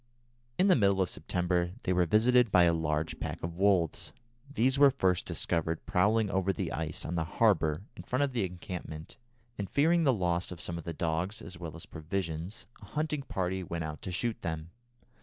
In the middle of September they were visited by a large pack of wolves. These were first discovered prowling over the ice on the harbour in front of the encampment, and, fearing the loss of some of the dogs, as well as provisions, a hunting party went out to shoot them.